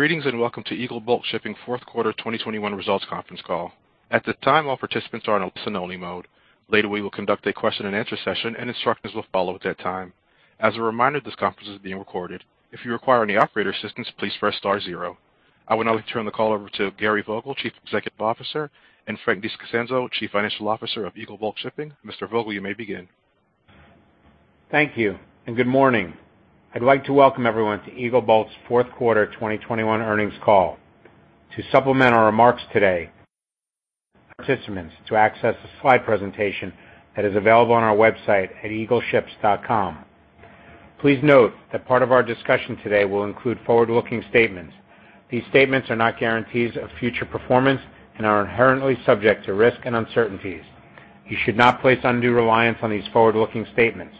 Greetings, and welcome to Eagle Bulk Shipping fourth quarter 2021 results conference call. At this time, all participants are in listen-only mode. Later, we will conduct a question-and-answer session, and instructions will follow at that time. As a reminder, this conference is being recorded. If you require any operator assistance, please press star zero. I would now like to turn the call over to Gary Vogel, Chief Executive Officer, and Frank De Costanzo, Chief Financial Officer of Eagle Bulk Shipping. Mr. Vogel, you may begin. Thank you and good morning. I'd like to welcome everyone to Eagle Bulk's fourth quarter 2021 earnings call. To supplement our remarks today, participants can access the slide presentation that is available on our website at eagleships.com. Please note that part of our discussion today will include forward-looking statements. These statements are not guarantees of future performance and are inherently subject to risks and uncertainties. You should not place undue reliance on these forward-looking statements.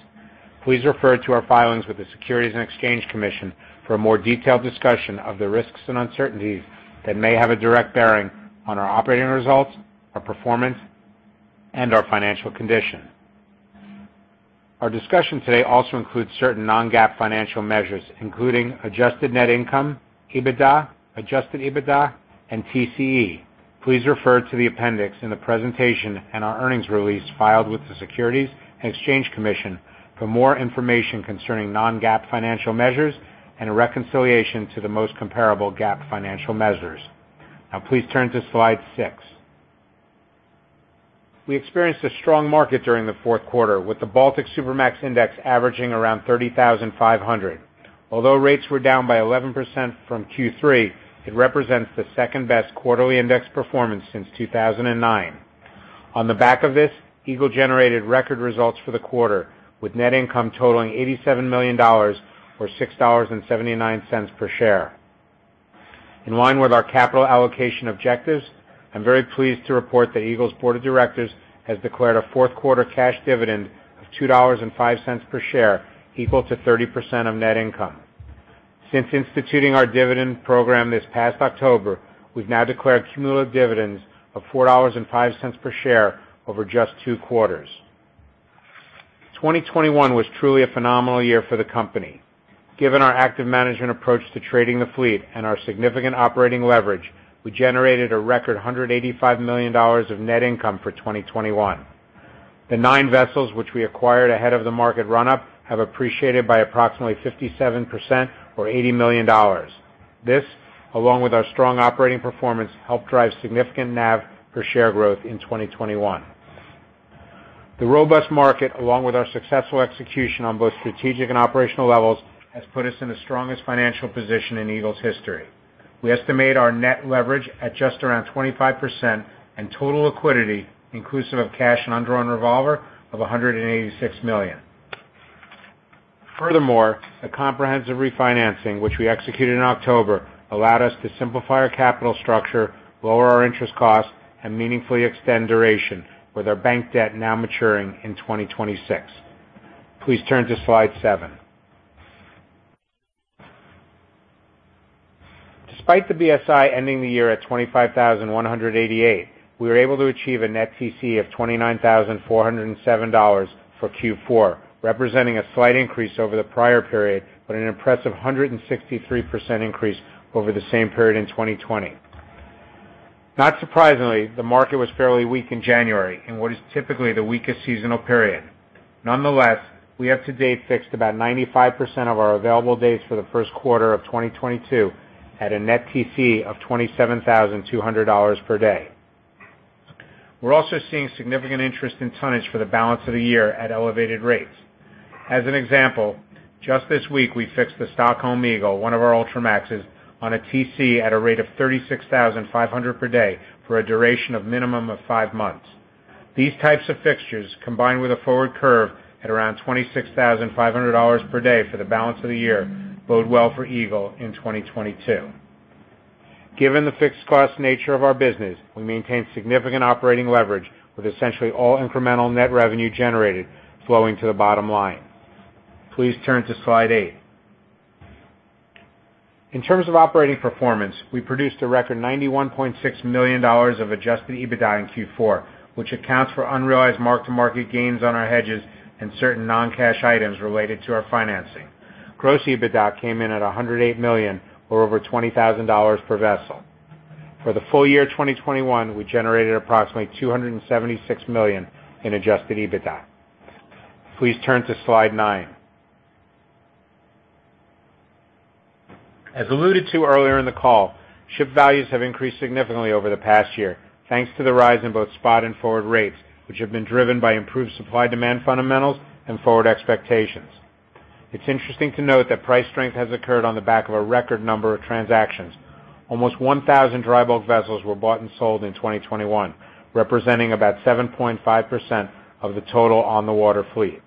Please refer to our filings with the Securities and Exchange Commission for a more detailed discussion of the risks and uncertainties that may have a direct bearing on our operating results, our performance, and our financial condition. Our discussion today also includes certain non-GAAP financial measures, including adjusted net income, EBITDA, adjusted EBITDA, and TCE. Please refer to the appendix in the presentation and our earnings release filed with the Securities and Exchange Commission for more information concerning non-GAAP financial measures and a reconciliation to the most comparable GAAP financial measures. Now please turn to slide six. We experienced a strong market during the fourth quarter, with the Baltic Supramax Index averaging around 30,500. Although rates were down by 11% from Q3, it represents the second-best quarterly index performance since 2009. On the back of this, Eagle generated record results for the quarter, with net income totaling $87 million or $6.79 per share. In line with our capital allocation objectives, I'm very pleased to report that Eagle's board of directors has declared a fourth-quarter cash dividend of $2.05 per share, equal to 30% of net income. Since instituting our dividend program this past October, we've now declared cumulative dividends of $4.05 per share over just two quarters. 2021 was truly a phenomenal year for the company. Given our active management approach to trading the fleet and our significant operating leverage, we generated a record $185 million of net income for 2021. The nine vessels which we acquired ahead of the market run-up have appreciated by approximately 57% or $80 million. This, along with our strong operating performance, helped drive significant NAV per share growth in 2021. The robust market, along with our successful execution on both strategic and operational levels, has put us in the strongest financial position in Eagle's history. We estimate our net leverage at just around 25% and total liquidity inclusive of cash and undrawn revolver of $186 million. Furthermore, the comprehensive refinancing which we executed in October allowed us to simplify our capital structure, lower our interest costs, and meaningfully extend duration with our bank debt now maturing in 2026. Please turn to slide seven. Despite the BSI ending the year at 25,188, we were able to achieve a net TCE of $29,407 for Q4, representing a slight increase over the prior period, but an impressive 163% increase over the same period in 2020. Not surprisingly, the market was fairly weak in January in what is typically the weakest seasonal period. Nonetheless, we have to date fixed about 95% of our available dates for the first quarter of 2022 at a net TC of $27,200 per day. We're also seeing significant interest in tonnage for the balance of the year at elevated rates. As an example, just this week we fixed the Stockholm Eagle, one of our Ultramaxes, on a TC at a rate of $36,500 per day for a duration of minimum of five months. These types of fixtures, combined with a forward curve at around $26,500 per day for the balance of the year, bode well for Eagle in 2022. Given the fixed cost nature of our business, we maintain significant operating leverage with essentially all incremental net revenue generated flowing to the bottom line. Please turn to slide eight. In terms of operating performance, we produced a record $91.6 million of adjusted EBITDA in Q4, which accounts for unrealized mark-to-market gains on our hedges and certain non-cash items related to our financing. Gross EBITDA came in at $108 million, or over $20,000 per vessel. For the full year 2021, we generated approximately $276 million in adjusted EBITDA. Please turn to slide nine. As alluded to earlier in the call, ship values have increased significantly over the past year, thanks to the rise in both spot and forward rates, which have been driven by improved supply-demand fundamentals and forward expectations. It's interesting to note that price strength has occurred on the back of a record number of transactions. Almost 1,000 dry bulk vessels were bought and sold in 2021, representing about 7.5% of the total on the water fleet.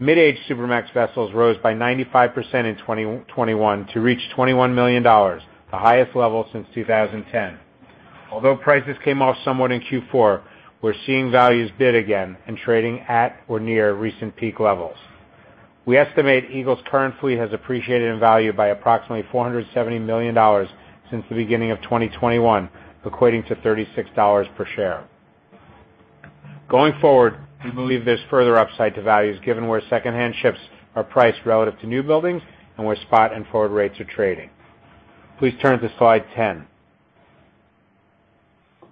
Mid-age Supramax vessels rose by 95% in 2021 to reach $21 million, the highest level since 2010. Although prices came off somewhat in Q4, we're seeing values bid again and trading at or near recent peak levels. We estimate Eagle's current fleet has appreciated in value by approximately $470 million since the beginning of 2021, equating to $36 per share. Going forward, we believe there's further upside to values given where secondhand ships are priced relative to new buildings and where spot and forward rates are trading. Please turn to slide 10.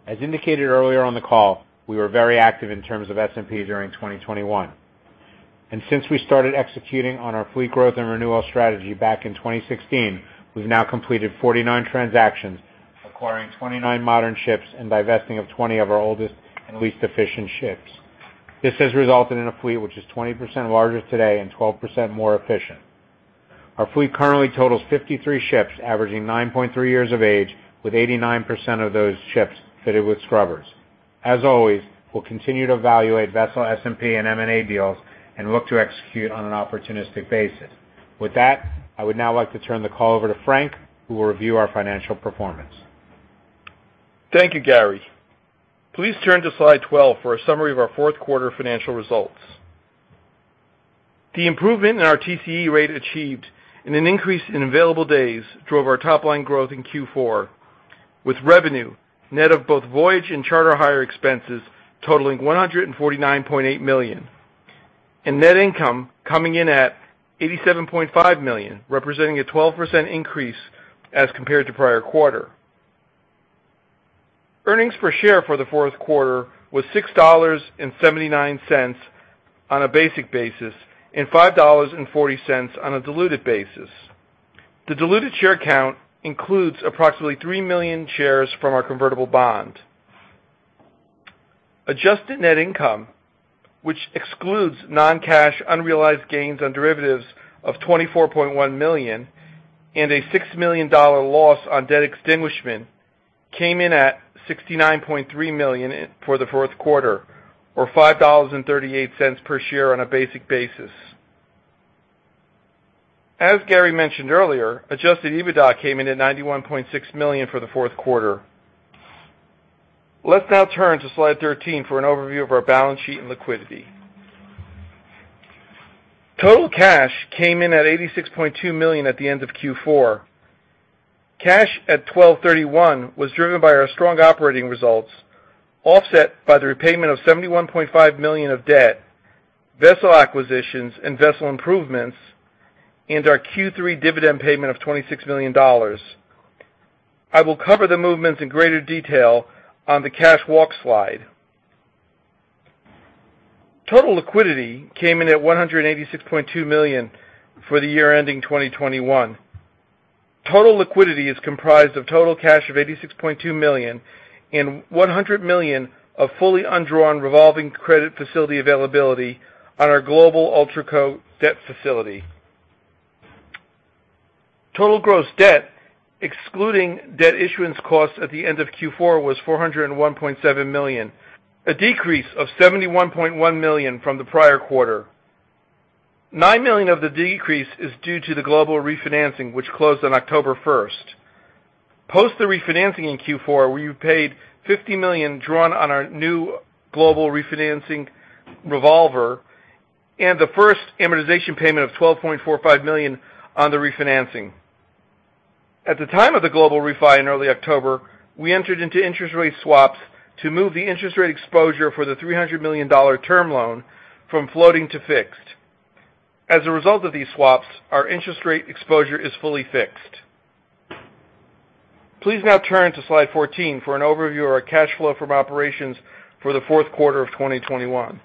As indicated earlier on the call, we were very active in terms of S&P during 2021, and since we started executing on our fleet growth and renewal strategy back in 2016, we've now completed 49 transactions, acquiring 29 modern ships and divesting of 20 of our oldest and least efficient ships. This has resulted in a fleet which is 20% larger today and 12% more efficient. Our fleet currently totals 53 ships, averaging 9.3 years of age, with 89% of those ships fitted with scrubbers. As always, we'll continue to evaluate vessel S&P and M&A deals and look to execute on an opportunistic basis. With that, I would now like to turn the call over to Frank, who will review our financial performance. Thank you, Gary. Please turn to slide 12 for a summary of our fourth quarter financial results. The improvement in our TCE rate achieved and an increase in available days drove our top line growth in Q4, with revenue net of both voyage and charter hire expenses totaling $149.8 million and net income coming in at $87.5 million, representing a 12% increase as compared to prior quarter. Earnings per share for the fourth quarter was $6.79 on a basic basis and $5.40 on a diluted basis. The diluted share count includes approximately three million shares from our convertible bond. Adjusted net income, which excludes non-cash unrealized gains on derivatives of $24.1 million and a $6 million loss on debt extinguishment, came in at $69.3 million for the fourth quarter, or $5.38 per share on a basic basis. As Gary mentioned earlier, adjusted EBITDA came in at $91.6 million for the fourth quarter. Let's now turn to slide 13 for an overview of our balance sheet and liquidity. Total cash came in at $86.2 million at the end of Q4. Cash at 12/31 was driven by our strong operating results, offset by the repayment of $71.5 million of debt, vessel acquisitions and vessel improvements, and our Q3 dividend payment of $26 million. I will cover the movements in greater detail on the cash walk slide. Total liquidity came in at $186.2 million for the year ending 2021. Total liquidity is comprised of total cash of $86.2 million and $100 million of fully undrawn revolving credit facility availability on our Global Ultraco Debt Facility. Total gross debt, excluding debt issuance costs at the end of Q4, was $401.7 million, a decrease of $71.1 million from the prior quarter. $9 million of the decrease is due to the global refinancing, which closed on October 1. Post the refinancing in Q4, we paid $50 million drawn on our new global refinancing revolver and the first amortization payment of $12.45 million on the refinancing. At the time of the global refi in early October, we entered into interest rate swaps to move the interest rate exposure for the $300 million term loan from floating to fixed. As a result of these swaps, our interest rate exposure is fully fixed. Please now turn to slide 14 for an overview of our cash flow from operations for the fourth quarter of 2021.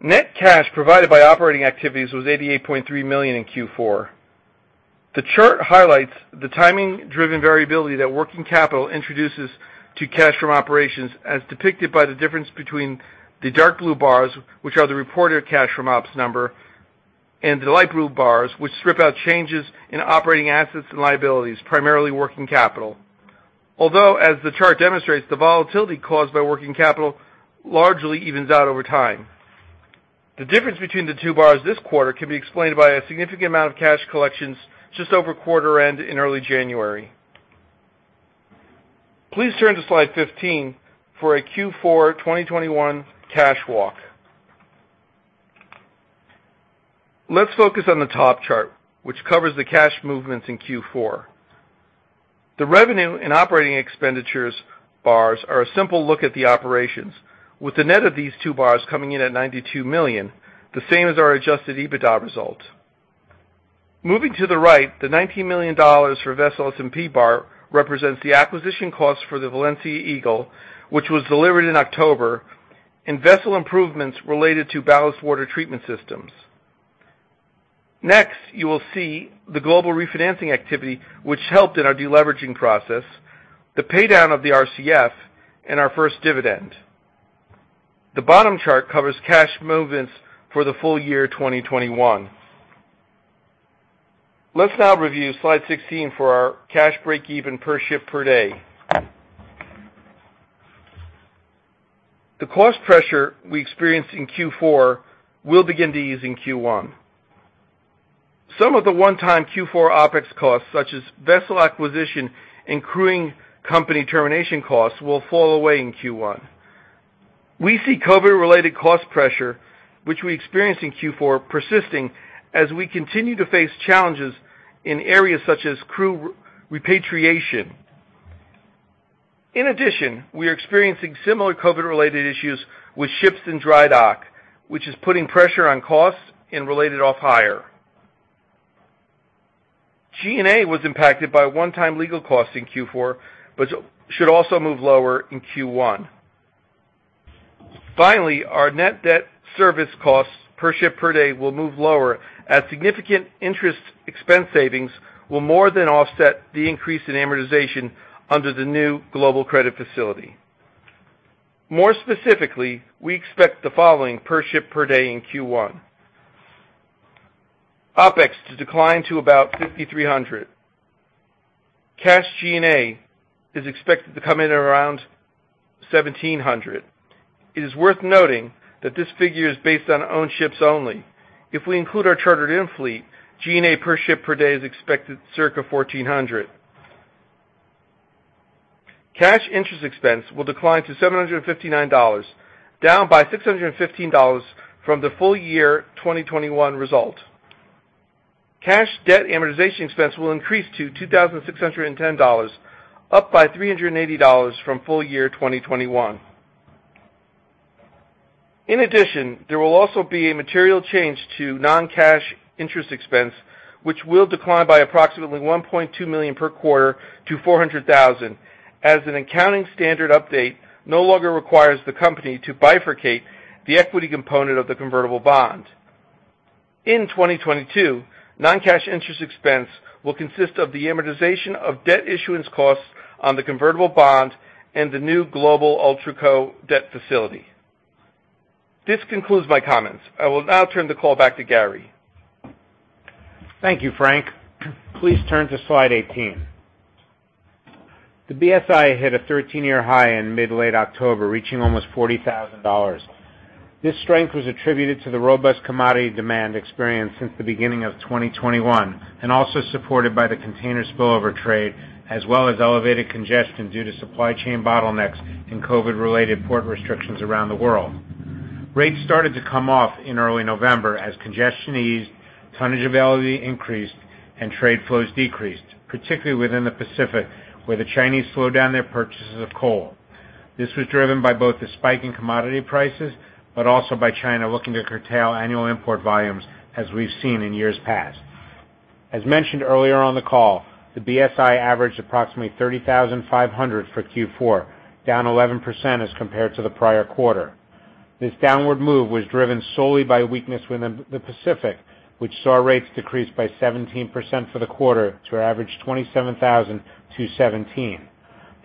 Net cash provided by operating activities was $88.3 million in Q4. The chart highlights the timing-driven variability that working capital introduces to cash from operations, as depicted by the difference between the dark blue bars, which are the reported cash from ops number, and the light blue bars, which strip out changes in operating assets and liabilities, primarily working capital. Although, as the chart demonstrates, the volatility caused by working capital largely evens out over time. The difference between the two bars this quarter can be explained by a significant amount of cash collections just over quarter end in early January. Please turn to slide 15 for a Q4 2021 cash walk. Let's focus on the top chart, which covers the cash movements in Q4. The revenue and operating expenditures bars are a simple look at the operations, with the net of these two bars coming in at $92 million, the same as our adjusted EBITDA results. Moving to the right, the $19 million for vessel S&P bar represents the acquisition cost for the Valencia Eagle, which was delivered in October, and vessel improvements related to ballast water treatment systems. Next, you will see the global refinancing activity which helped in our deleveraging process, the paydown of the RCF and our first dividend. The bottom chart covers cash movements for the full year 2021. Let's now review slide 16 for our cash breakeven per ship per day. The cost pressure we experienced in Q4 will begin to ease in Q1. Some of the one-time Q4 OpEx costs, such as vessel acquisition and crewing company termination costs, will fall away in Q1. We see COVID-related cost pressure, which we experienced in Q4, persisting as we continue to face challenges in areas such as crew repatriation. In addition, we are experiencing similar COVID-related issues with ships in dry dock, which is putting pressure on costs and related off hire. G&A was impacted by one-time legal costs in Q4, but should also move lower in Q1. Finally, our net debt service costs per ship per day will move lower as significant interest expense savings will more than offset the increase in amortization under the new global credit facility. More specifically, we expect the following per ship per day in Q1. OpEx to decline to about $5,300. Cash G&A is expected to come in at around $1,700. It is worth noting that this figure is based on owned ships only. If we include our chartered-in fleet, G&A per ship per day is expected circa $1,400. Cash interest expense will decline to $759, down by $615 from the full year 2021 result. Cash debt amortization expense will increase to $2,610, up by $380 from full year 2021. In addition, there will also be a material change to non-cash interest expense, which will decline by approximately $1.2 million per quarter to $400,000 as an accounting standard update no longer requires the company to bifurcate the equity component of the convertible bond. In 2022, non-cash interest expense will consist of the amortization of debt issuance costs on the convertible bond and the new Global Ultraco debt facility. This concludes my comments. I will now turn the call back to Gary. Thank you, Frank. Please turn to slide 18. The BSI hit a 13-year high in mid-late October, reaching almost $40,000. This strength was attributed to the robust commodity demand experienced since the beginning of 2021 and also supported by the container spillover trade, as well as elevated congestion due to supply chain bottlenecks and COVID-related port restrictions around the world. Rates started to come off in early November as congestion eased, tonnage availability increased, and trade flows decreased, particularly within the Pacific, where the Chinese slowed down their purchases of coal. This was driven by both the spike in commodity prices, but also by China looking to curtail annual import volumes as we've seen in years past. As mentioned earlier on the call, the BSI averaged approximately $30,500 for Q4, down 11% as compared to the prior quarter. This downward move was driven solely by weakness within the Pacific, which saw rates decrease by 17% for the quarter to average 27,217. The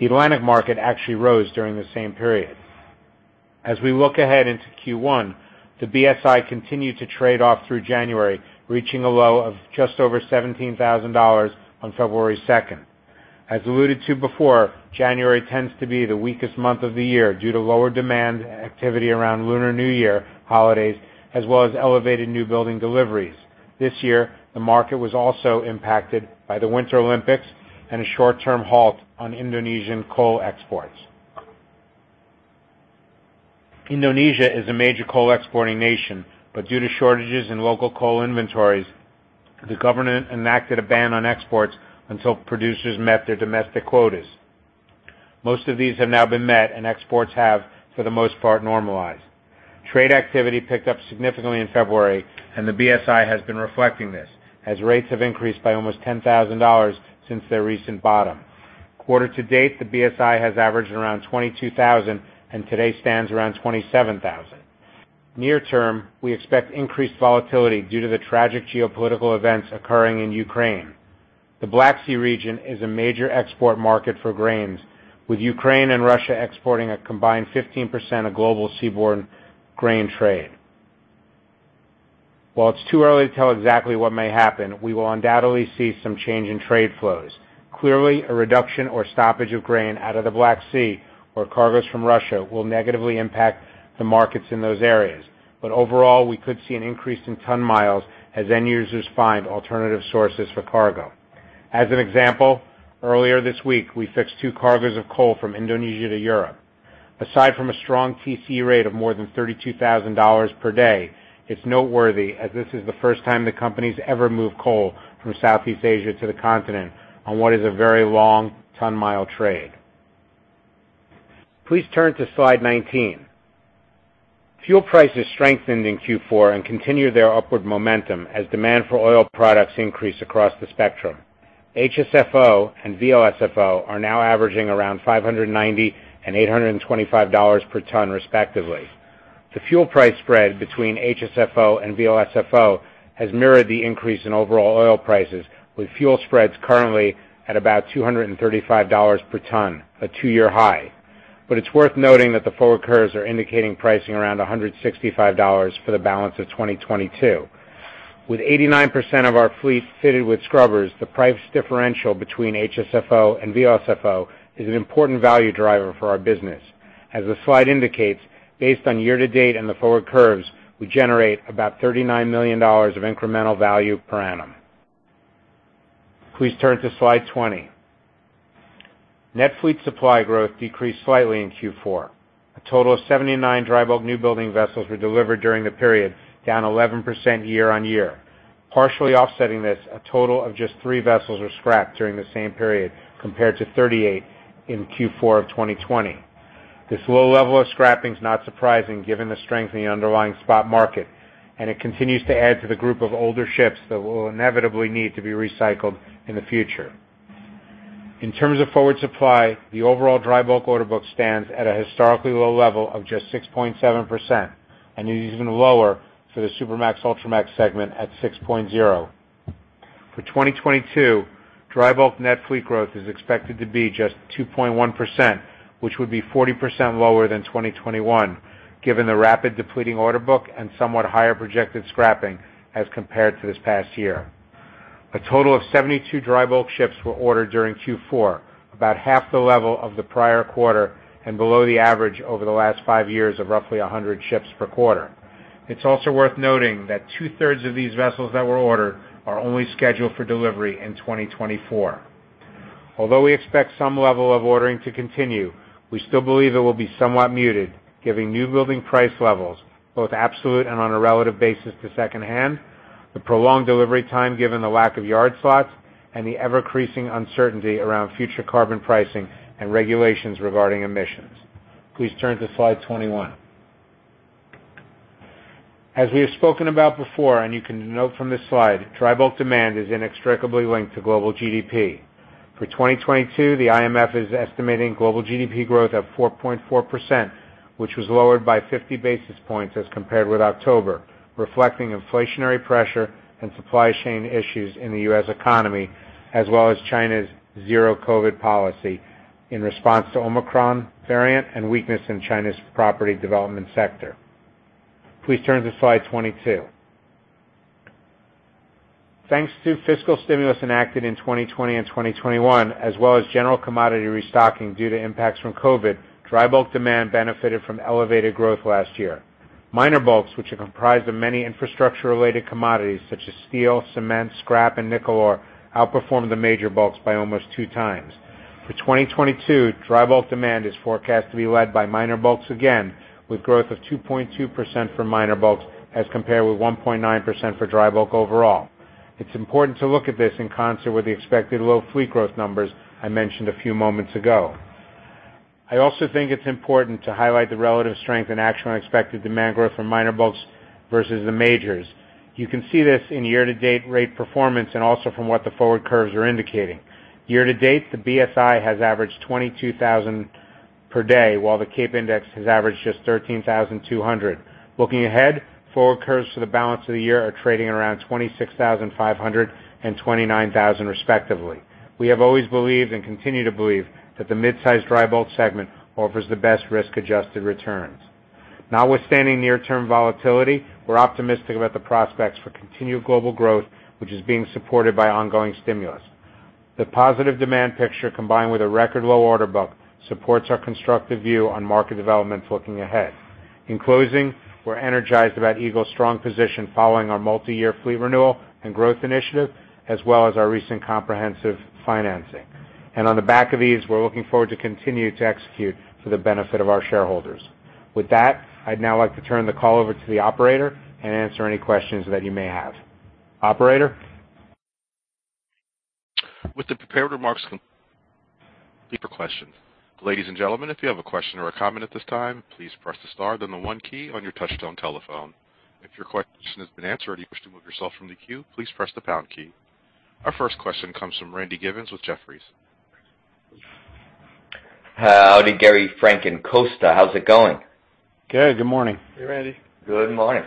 Atlantic market actually rose during the same period. As we look ahead into Q1, the BSI continued to trade off through January, reaching a low of just over $17,000 on February 2. As alluded to before, January tends to be the weakest month of the year due to lower demand and activity around Lunar New Year holidays, as well as elevated new building deliveries. This year, the market was also impacted by the Winter Olympics and a short-term halt on Indonesian coal exports. Indonesia is a major coal exporting nation, but due to shortages in local coal inventories, the government enacted a ban on exports until producers met their domestic quotas. Most of these have now been met and exports have, for the most part, normalized. Trade activity picked up significantly in February, and the BSI has been reflecting this as rates have increased by almost $10,000 since their recent bottom. Quarter to date, the BSI has averaged around 22,000 and today stands around 27,000. Near term, we expect increased volatility due to the tragic geopolitical events occurring in Ukraine. The Black Sea region is a major export market for grains, with Ukraine and Russia exporting a combined 15% of global seaborne grain trade. While it's too early to tell exactly what may happen, we will undoubtedly see some change in trade flows. Clearly, a reduction or stoppage of grain out of the Black Sea or cargoes from Russia will negatively impact the markets in those areas. Overall, we could see an increase in ton miles as end users find alternative sources for cargo. As an example, earlier this week, we fixed two cargoes of coal from Indonesia to Europe. Aside from a strong TC rate of more than $32,000 per day, it's noteworthy as this is the first time the company's ever moved coal from Southeast Asia to the Continent on what is a very long ton mile trade. Please turn to slide 19. Fuel prices strengthened in Q4 and continued their upward momentum as demand for oil products increased across the spectrum. HSFO and VLSFO are now averaging around $590 and $825 per ton, respectively. The fuel price spread between HSFO and VLSFO has mirrored the increase in overall oil prices, with fuel spreads currently at about $235 per ton, a two-year high. It's worth noting that the forward curves are indicating pricing around $165 for the balance of 2022. With 89% of our fleet fitted with scrubbers, the price differential between HSFO and VLSFO is an important value driver for our business. As the slide indicates, based on year-to-date and the forward curves, we generate about $39 million of incremental value per annum. Please turn to slide 20. Net fleet supply growth decreased slightly in Q4. A total of 79 dry bulk new building vessels were delivered during the period, down 11% year-on-year. Partially offsetting this, a total of just three vessels were scrapped during the same period, compared to 38 in Q4 of 2020. This low level of scrapping is not surprising given the strength in the underlying spot market, and it continues to add to the group of older ships that will inevitably need to be recycled in the future. In terms of forward supply, the overall dry bulk order book stands at a historically low level of just 6.7%, and is even lower for the Supramax, Ultramax segment at 6.0%. For 2022, dry bulk net fleet growth is expected to be just 2.1%, which would be 40% lower than 2021, given the rapidly depleting order book and somewhat higher projected scrapping as compared to this past year. A total of 72 dry bulk ships were ordered during Q4, about half the level of the prior quarter and below the average over the last five years of roughly 100 ships per quarter. It's also worth noting that two-thirds of these vessels that were ordered are only scheduled for delivery in 2024. Although we expect some level of ordering to continue, we still believe it will be somewhat muted, given newbuilding price levels both absolute and on a relative basis to secondhand, the prolonged delivery time given the lack of yard slots, and the ever-increasing uncertainty around future carbon pricing and regulations regarding emissions. Please turn to slide 21. As we have spoken about before, and you can note from this slide, dry bulk demand is inextricably linked to global GDP. For 2022, the IMF is estimating global GDP growth of 4.4%, which was lowered by 50 basis points as compared with October, reflecting inflationary pressure and supply chain issues in the U.S. economy, as well as China's zero COVID policy in response to Omicron variant and weakness in China's property development sector. Please turn to slide 22. Thanks to fiscal stimulus enacted in 2020 and 2021, as well as general commodity restocking due to impacts from COVID, dry bulk demand benefited from elevated growth last year. Minor bulks, which are comprised of many infrastructure-related commodities such as steel, cement, scrap, and nickel ore, outperformed the major bulks by almost two times. For 2022, dry bulk demand is forecast to be led by minor bulks again, with growth of 2.2% for minor bulks as compared with 1.9% for dry bulk overall. It's important to look at this in concert with the expected low fleet growth numbers I mentioned a few moments ago. I also think it's important to highlight the relative strength in actual and expected demand growth for minor bulks versus the majors. You can see this in year-to-date rate performance and also from what the forward curves are indicating. Year to date, the BSI has averaged 22,000 per day, while the Cape index has averaged just 13,200. Looking ahead, forward curves for the balance of the year are trading around 26,500 and 29,000 respectively. We have always believed and continue to believe that the mid-sized dry bulk segment offers the best risk-adjusted returns. Notwithstanding near-term volatility, we're optimistic about the prospects for continued global growth, which is being supported by ongoing stimulus. The positive demand picture, combined with a record low order book, supports our constructive view on market development looking ahead. In closing, we're energized about Eagle's strong position following our multi-year fleet renewal and growth initiative, as well as our recent comprehensive financing. On the back of these, we're looking forward to continue to execute for the benefit of our shareholders. With that, I'd now like to turn the call over to the operator and answer any questions that you may have. Operator? With the prepared remarks complete for questions. Ladies and gentlemen, if you have a question or a comment at this time, please press the star, then the one key on your touchtone telephone. If your question has been answered or you wish to remove yourself from the queue, please press the pound key. Our first question comes from Randy Giveans with Jefferies. Howdy, Gary, Frank, and Costa. How's it going? Good morning. Hey, Randy. Good morning.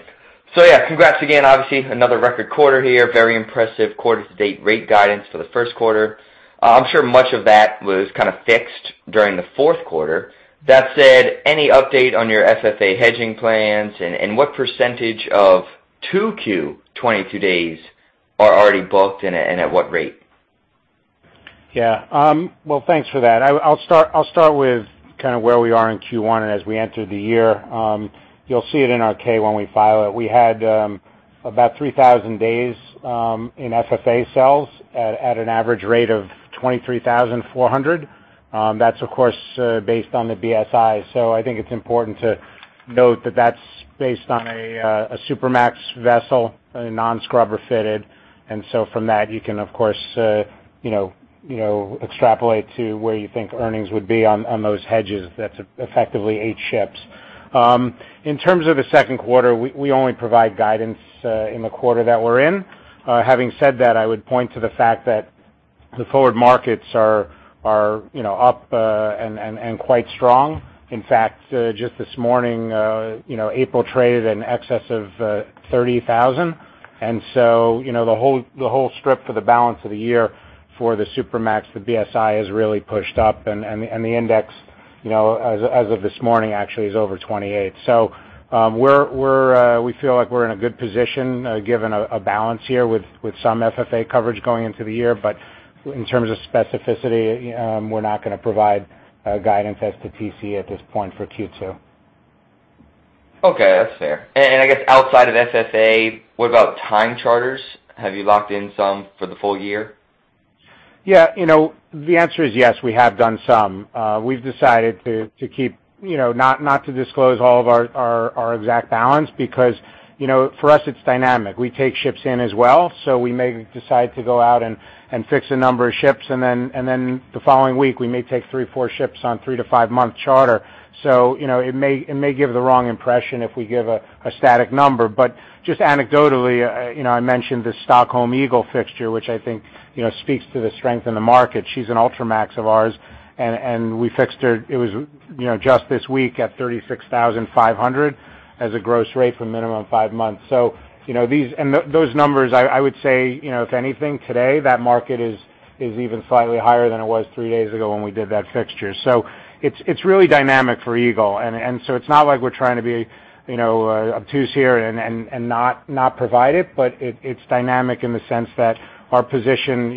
Yeah, congrats again. Obviously, another record quarter here. Very impressive quarter-to-date rate guidance for the first quarter. I'm sure much of that was kind of fixed during the fourth quarter. That said, any update on your FFA hedging plans, and what percentage of 2Q 2022 days are already booked and at what rate? Yeah. Well, thanks for that. I'll start with kind of where we are in Q1 and as we enter the year. You'll see it in our K when we file it. We had about 3,000 days in FFA sales at an average rate of $23,400. That's, of course, based on the BSI. I think it's important to note that that's based on a Supramax vessel, a non-scrubber fitted. From that, you can, of course, you know, extrapolate to where you think earnings would be on those hedges. That's effectively eight ships. In terms of the second quarter, we only provide guidance in the quarter that we're in. Having said that, I would point to the fact that the forward markets are, you know, up and quite strong. In fact, just this morning, you know, April traded in excess of $30,000. You know, the whole strip for the balance of the year for the Supramax, the BSI has really pushed up and the index, you know, as of this morning, actually is over 28. We feel like we're in a good position, given a balance here with some FFA coverage going into the year. In terms of specificity, we're not gonna provide guidance as to TCE at this point for Q2. Okay, that's fair. I guess outside of FFA, what about time charters? Have you locked in some for the full year? Yeah, you know, the answer is yes, we have done some. We've decided to keep, you know, not to disclose all of our exact balance because, you know, for us it's dynamic. We take ships in as well, so we may decide to go out and fix a number of ships, and then the following week, we may take three, four ships on three- to five-month charter. You know, it may give the wrong impression if we give a static number. Just anecdotally, you know, I mentioned the Stockholm Eagle fixture, which I think, you know, speaks to the strength in the market. She's an Ultramax of ours and we fixed her. It was, you know, just this week at $36,500 as a gross rate for minimum five months. Those numbers, I would say, if anything, today that market is even slightly higher than it was three days ago when we did that fixture. It's really dynamic for Eagle. It's not like we're trying to be obtuse here and not provide it, but it's dynamic in the sense that our position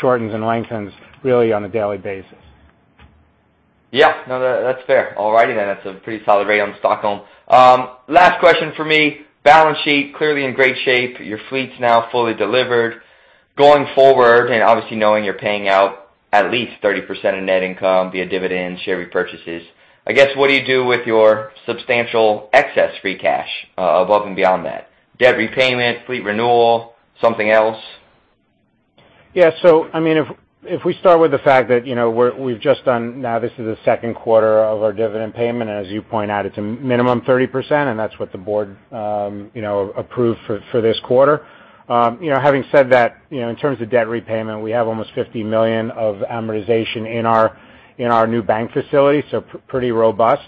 shortens and lengthens really on a daily basis. Yeah. No, that's fair. All righty then. That's a pretty solid rate on Stockholm. Last question for me. Balance sheet clearly in great shape. Your fleet's now fully delivered. Going forward, obviously knowing you're paying out at least 30% of net income via dividend share repurchases, I guess, what do you do with your substantial excess free cash above and beyond that? Debt repayment, fleet renewal, something else? Yeah. I mean, if we start with the fact that, you know, we've just done, now this is the second quarter of our dividend payment, and as you point out, it's a minimum 30%, and that's what the board, you know, approved for this quarter. You know, having said that, you know, in terms of debt repayment, we have almost $50 million of amortization in our new bank facility, so pretty robust.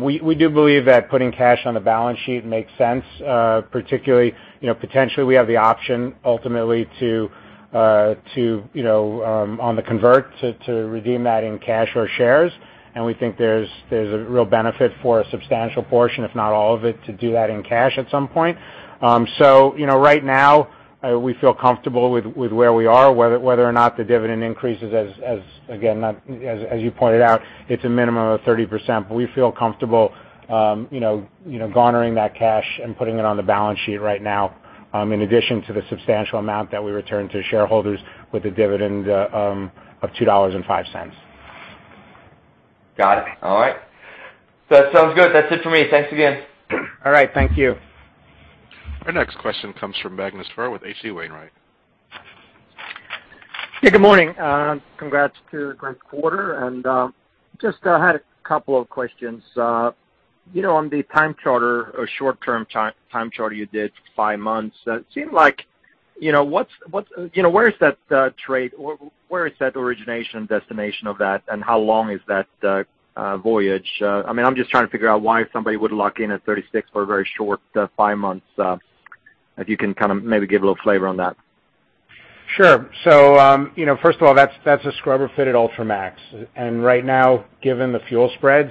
We do believe that putting cash on the balance sheet makes sense, particularly, you know, potentially we have the option ultimately to, you know, on the convertible to redeem that in cash or shares. We think there's a real benefit for a substantial portion, if not all of it, to do that in cash at some point. Right now, you know, we feel comfortable with where we are, whether or not the dividend increases, as you pointed out, it's a minimum of 30%, but we feel comfortable, you know, garnering that cash and putting it on the balance sheet right now, in addition to the substantial amount that we return to shareholders with the dividend of $2.05. Got it. All right. That sounds good. That's it for me. Thanks again. All right. Thank you. Our next question comes from Magnus Fyhr with H.C. Wainwright. Yeah, good morning. Congrats on great quarter, just had a couple of questions. You know, on the time charter or short term time charter you did for five months, it seemed like, you know, what's you know, where is that trade or where is that origination destination of that, and how long is that voyage? I mean, I'm just trying to figure out why somebody would lock in at $36 for a very short five months. If you can kind of maybe give a little flavor on that. Sure. You know, first of all, that's a scrubber fitted Ultramax. Right now given the fuel spreads,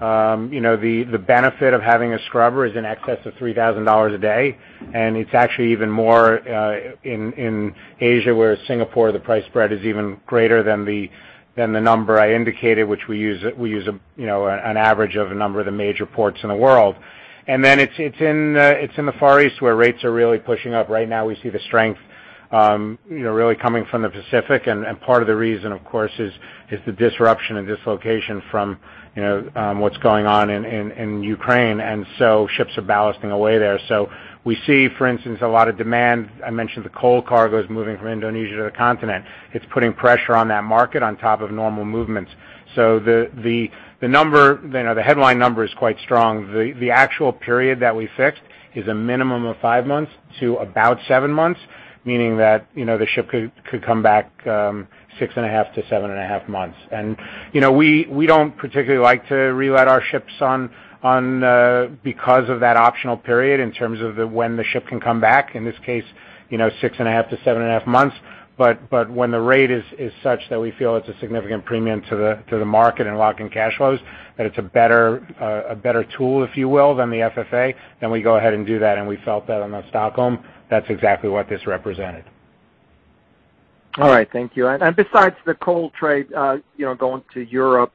you know, the benefit of having a scrubber is in excess of $3,000 a day, and it's actually even more in Asia where Singapore, the price spread is even greater than the number I indicated, which we use, you know, an average of a number of the major ports in the world. It's in the Far East where rates are really pushing up. Right now we see the strength, you know, really coming from the Pacific. Part of the reason, of course is the disruption and dislocation from, you know, what's going on in Ukraine. Ships are ballasting away there. We see, for instance, a lot of demand. I mentioned the coal cargoes moving from Indonesia to the continent. It's putting pressure on that market on top of normal movements. The number, you know, the headline number is quite strong. The actual period that we fixed is a minimum of five months to about seven months, meaning that, you know, the ship could come back six and a half to seven and a half months. You know, we don't particularly like to relet our ships because of that optional period in terms of when the ship can come back, in this case, you know, six and a half to seven and a half months. When the rate is such that we feel it's a significant premium to the market and lock in cash flows, that it's a better tool, if you will, than the FFA, then we go ahead and do that, and we felt that on the Stockholm. That's exactly what this represented. All right, thank you. Besides the coal trade, you know, going to Europe,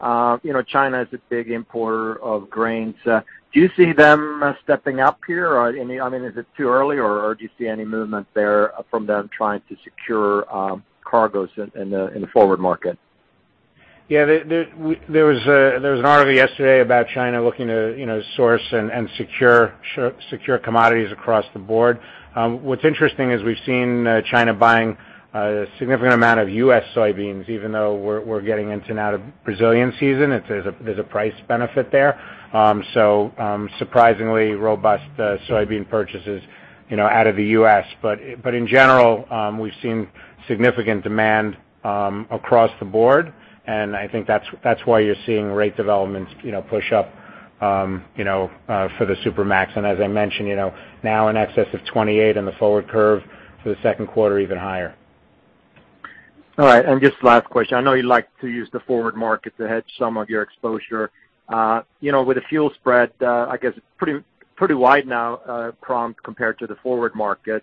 you know, China is a big importer of grains. Do you see them stepping up here or any, I mean, is it too early or do you see any movement there from them trying to secure cargoes in the forward market? Yeah. There was an article yesterday about China looking to, you know, source and secure commodities across the board. What's interesting is we've seen China buying a significant amount of U.S. soybeans even though we're getting into and out of Brazilian season. There's a price benefit there. Surprisingly robust soybean purchases, you know, out of the U.S. But in general, we've seen significant demand across the board, and I think that's why you're seeing rate developments, you know, push up, you know, for the Supramax. As I mentioned, you know, now in excess of 28 in the forward curve for the second quarter, even higher. All right. Just last question. I know you like to use the forward market to hedge some of your exposure. You know, with the fuel spread, I guess pretty wide now, prompt compared to the forward market.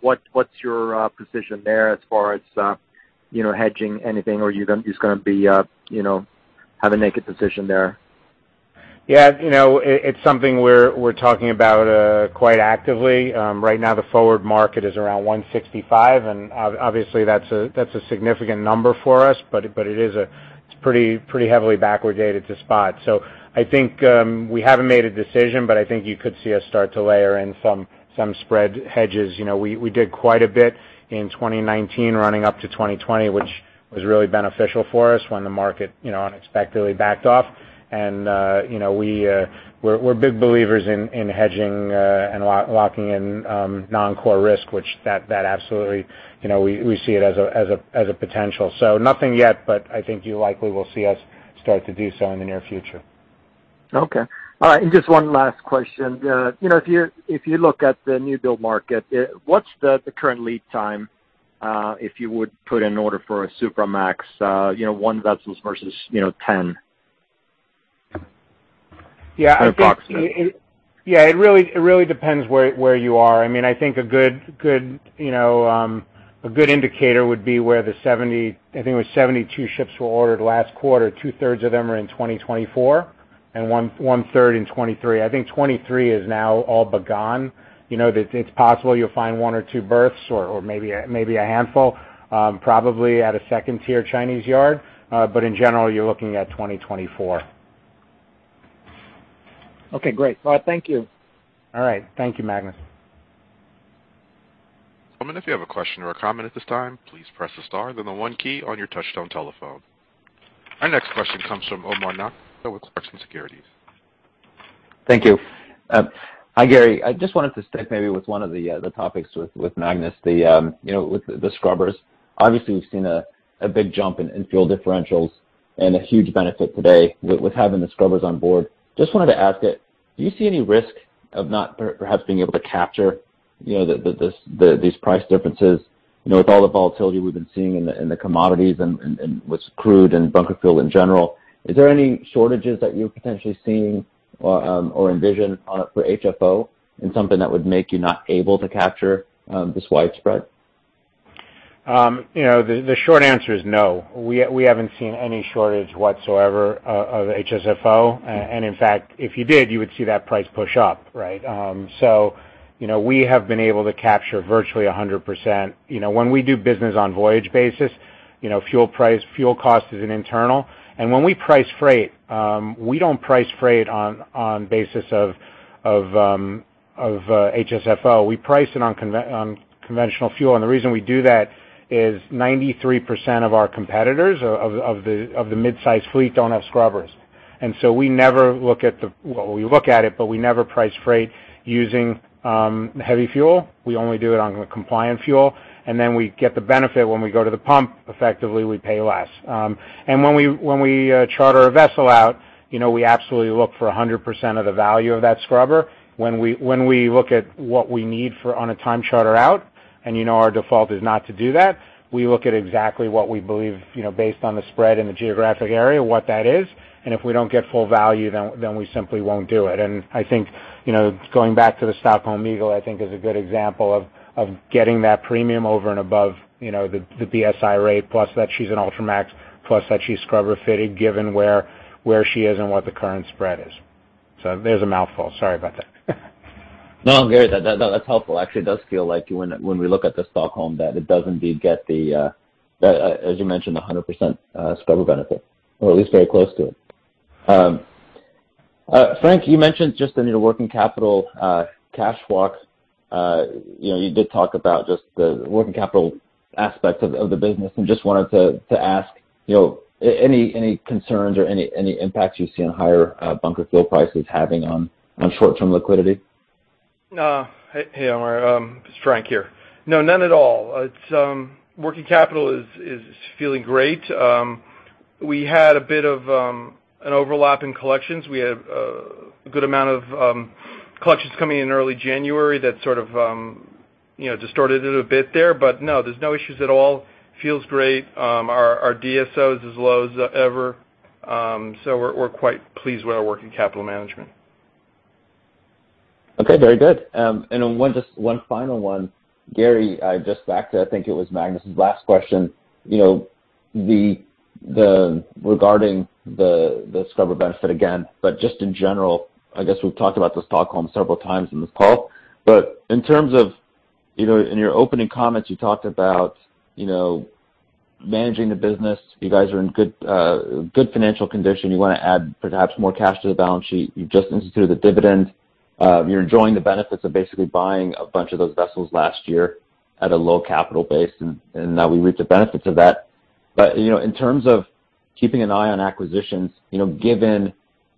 What's your position there as far as you know, hedging anything or you're just gonna be, you know, have a naked position there? Yeah. You know, it's something we're talking about quite actively. Right now, the forward market is around 165, and obviously, that's a significant number for us. But it is. It's pretty heavily backwardated to spot. So I think we haven't made a decision, but I think you could see us start to layer in some spread hedges. You know, we did quite a bit in 2019 running up to 2020, which was really beneficial for us when the market, you know, unexpectedly backed off. You know, we're big believers in hedging and locking in non-core risk, which absolutely. You know, we see it as a potential. Nothing yet, but I think you likely will see us start to do so in the near future. Okay. All right. Just one last question. You know, if you look at the new build market, what's the current lead time, if you would put an order for a Supramax, you know, one vessels versus, you know, ten? Yeah. Approximately. Yeah. It really depends where you are. I mean, I think a good indicator would be where the 72 ships were ordered last quarter. 2/3 of them are in 2024, and one-third in 2023. I think 2023 is now all but gone. It's possible you'll find one or two berths or maybe a handful, probably at a second-tier Chinese yard. In general, you're looking at 2024. Okay, great. All right. Thank you. All right. Thank you, Magnus. Our next question comes from Omar Nokta with Clarksons Securities. Thank you. Hi, Gary. I just wanted to stick maybe with one of the topics with Magnus, you know, with the scrubbers. Obviously, we've seen a big jump in fuel differentials and a huge benefit today with having the scrubbers on board. Just wanted to ask if do you see any risk of not perhaps being able to capture, you know, these price differences, you know, with all the volatility we've been seeing in the commodities and with crude and bunker fuel in general? Is there any shortages that you're potentially seeing or envision for HFO and something that would make you not able to capture this widespread? You know, the short answer is no. We haven't seen any shortage whatsoever of HSFO. In fact, if you did, you would see that price push up, right? You know, we have been able to capture virtually 100%. You know, when we do business on voyage basis, you know, fuel price, fuel cost is an internal. When we price freight, we don't price freight on basis of HSFO. We price it on conventional fuel. The reason we do that is 93% of our competitors of the mid-sized fleet don't have scrubbers. We never look at it, well, we look at it, but we never price freight using heavy fuel. We only do it on the compliant fuel, and then we get the benefit when we go to the pump. Effectively, we pay less. When we charter a vessel out, you know, we absolutely look for 100% of the value of that scrubber. When we look at what we need for on a time charter out, you know, our default is not to do that. We look at exactly what we believe, you know, based on the spread in the geographic area, what that is, and if we don't get full value, then we simply won't do it. I think, you know, going back to the Stockholm Eagle, I think is a good example of getting that premium over and above, you know, the BSI rate, plus that she's an Ultramax, plus that she's scrubber-fitted, given where she is and what the current spread is. There's a mouthful. Sorry about that. No, Gary, that's helpful. Actually, it does feel like when we look at the Stockholm that it does indeed get the, as you mentioned, 100% scrubber benefit, or at least very close to it. Frank, you mentioned just in your working capital cash walk, you know, you did talk about just the working capital aspect of the business. Just wanted to ask, you know, any concerns or any impacts you see on higher bunker fuel prices having on short-term liquidity? No. Hey, Omar. This is Frank here. No, none at all. Our working capital is feeling great. We had a bit of an overlap in collections. We had a good amount of collections coming in early January that sort of you know distorted it a bit there. But no, there's no issues at all. Feels great. Our DSO is as low as ever. So we're quite pleased with our working capital management. Okay, very good. Then one, just one final one. Gary, just back to, I think it was Magnus's last question. You know, regarding the scrubber benefit again, but just in general, I guess we've talked about the Stockholm several times in this call. In terms of, you know, in your opening comments, you talked about, you know, managing the business. You guys are in good financial condition. You wanna add perhaps more cash to the balance sheet. You've just instituted a dividend. You're enjoying the benefits of basically buying a bunch of those vessels last year at a low capital base, and now we reap the benefits of that. You know, in terms of keeping an eye on acquisitions, you know, given,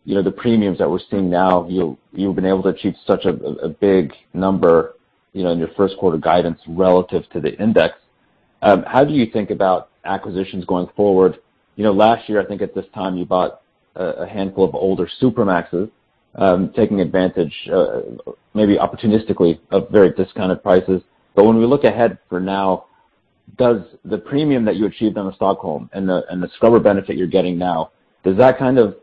you know, the premiums that we're seeing now, you've been able to achieve such a big number, you know, in your first quarter guidance relative to the index. How do you think about acquisitions going forward? You know, last year, I think at this time, you bought a handful of older Supramaxes, taking advantage, maybe opportunistically of very discounted prices. When we look ahead for now, does the premium that you achieved on the Stockholm and the scrubber benefit you're getting now, does that kind of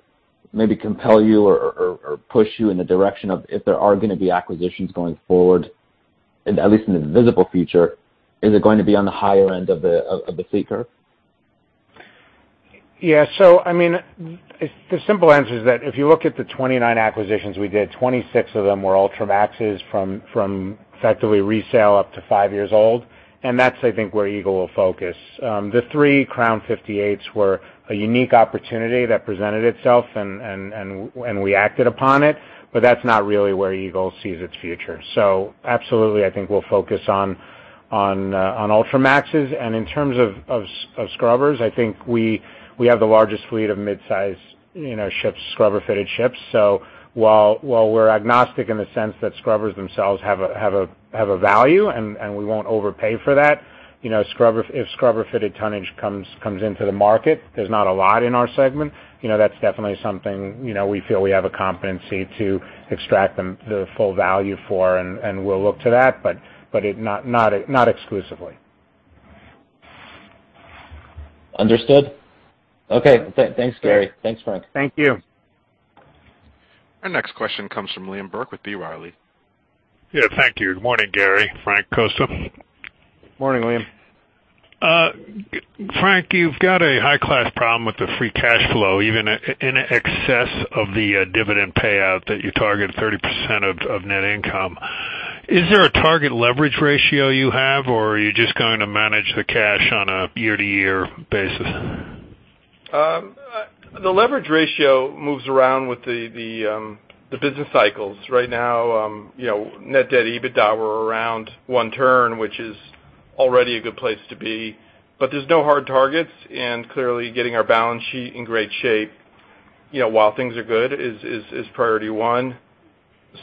maybe compel you or push you in the direction of if there are gonna be acquisitions going forward, at least in the visible future, is it going to be on the higher end of the C curve? Yeah. I mean, the simple answer is that if you look at the 29 acquisitions we did, 26 of them were Ultramaxes from effectively resale up to five years old. That's, I think, where Eagle will focus. The three Crown 58s were a unique opportunity that presented itself and we acted upon it, but that's not really where Eagle sees its future. Absolutely, I think we'll focus on Ultramaxes. In terms of scrubbers, I think we have the largest fleet of mid-size, you know, ships, scrubber-fitted ships. While we're agnostic in the sense that scrubbers themselves have a value, and we won't overpay for that, you know, if scrubber-fitted tonnage comes into the market, there's not a lot in our segment. You know, that's definitely something, you know, we feel we have a competency to extract them the full value for, and we'll look to that, but it not exclusively. Understood. Okay. Thanks, Gary. Thanks, Frank. Thank you. Our next question comes from Liam Burke with B. Riley. Yeah, thank you. Good morning, Gary, Frank, Costa. Morning, Liam. Frank, you've got a high-class problem with the free cash flow, even in excess of the dividend payout that you targeted 30% of net income. Is there a target leverage ratio you have or are you just going to manage the cash on a year-to-year basis? The leverage ratio moves around with the business cycles. Right now, you know, net debt/EBITDA, we're around one turn, which is already a good place to be. There's no hard targets, and clearly getting our balance sheet in great shape, you know, while things are good is priority one.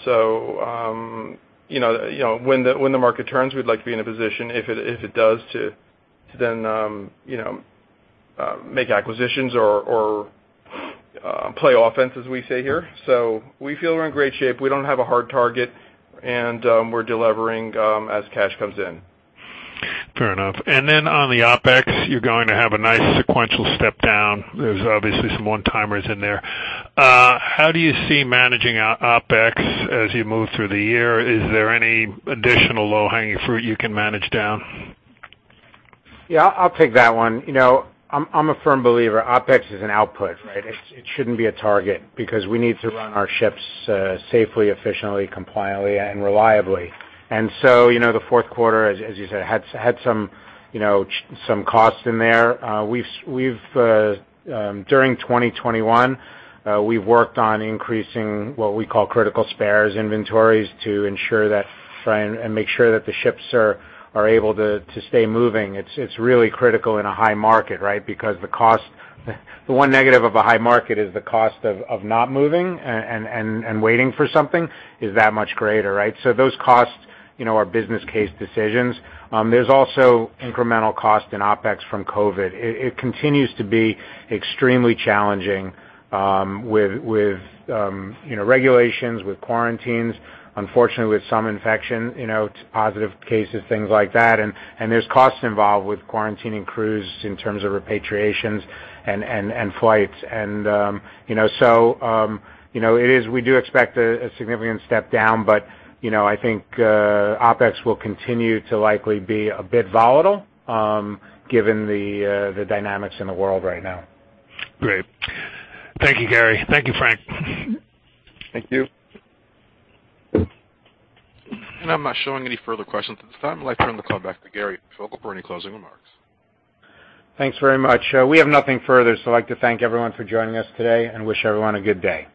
You know, when the market turns, we'd like to be in a position if it does, to then, you know, make acquisitions or play offense, as we say here. We feel we're in great shape. We don't have a hard target, and we're delevering as cash comes in. Fair enough. On the OpEx, you're going to have a nice sequential step down. There's obviously some one-timers in there. How do you see managing OpEx as you move through the year? Is there any additional low-hanging fruit you can manage down? Yeah, I'll take that one. You know, I'm a firm believer OpEx is an output, right? It shouldn't be a target because we need to run our ships safely, efficiently, compliantly, and reliably. You know, the fourth quarter, as you said, had some costs in there. During 2021, we've worked on increasing what we call critical spares inventories to ensure that and make sure that the ships are able to stay moving. It's really critical in a high market, right? Because the one negative of a high market is the cost of not moving and waiting for something is that much greater, right? Those costs, you know, are business case decisions. There's also incremental cost in OpEx from COVID. It continues to be extremely challenging, with you know, regulations, with quarantines, unfortunately with some infection, you know, positive cases, things like that. There's costs involved with quarantining crews in terms of repatriations and flights. You know, we do expect a significant step down. You know, I think OpEx will continue to likely be a bit volatile, given the dynamics in the world right now. Great. Thank you, Gary. Thank you, Frank. Thank you. I'm not showing any further questions at this time. I'd like to turn the call back to Gary Vogel for any closing remarks. Thanks very much. We have nothing further, so I'd like to thank everyone for joining us today and wish everyone a good day.